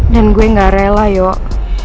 dan gue ga rela yuk